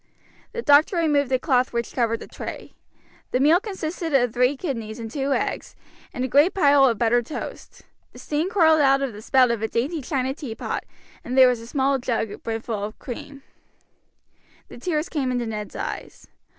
The doctor removed the cloth which covered the tray. The meal consisted of three kidneys and two eggs, and a great pile of buttered toast. The steam curled out of the spout of a dainty china teapot, and there was a small jug brimful of cream. The tears came into Ned's eyes.